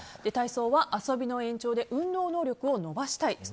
体操は遊びの延長で運動能力を伸ばしたい。